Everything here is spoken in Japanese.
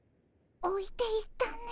おいていったね。